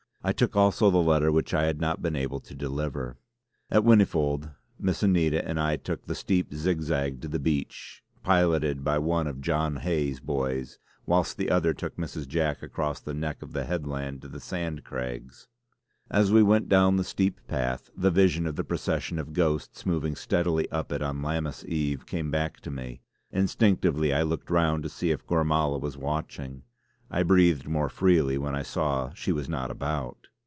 I took also the letter which I had not been able to deliver. At Whinnyfold Miss Anita and I took the steep zigzag to the beach, piloted by one of John Hay's boys whilst the other took Mrs. Jack across the neck of the headland to the Sand Craigs. As we went down the steep path, the vision of the procession of ghosts moving steadily up it on Lammas Eve, came back to me; instinctively I looked round to see if Gormala was watching. I breathed more freely when I saw she was not about.